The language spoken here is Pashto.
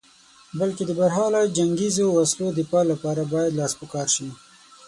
بلکې د برحاله جنګیزو وسلو د دفاع لپاره باید لاس په کار شې.